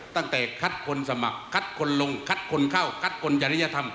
ตั้งแต่คัดคนสมัครคัดคนลงคัดคนเข้าคัดคนจริยธรรม